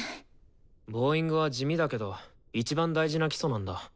ボーイングは地味だけどいちばん大事な基礎なんだ。